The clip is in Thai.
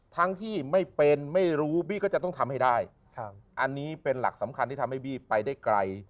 ทั้งที่ไม่เป็นไม่รู้บี้ก็จะต้องทำให้ได้อันนี้เป็นหลักสำคัญที่ทำให้บี้ไปได้ไกล